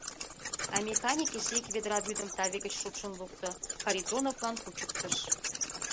А механик эше ик ведра вӱдым таве гыч шупшын лукто, Харитоновлан кучыктыш.